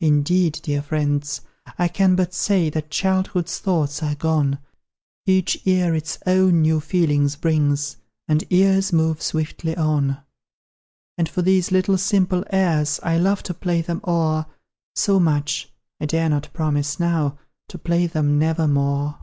"Indeed, dear friends, I can but say That childhood's thoughts are gone; Each year its own new feelings brings, And years move swiftly on: "And for these little simple airs I love to play them o'er So much I dare not promise, now, To play them never more."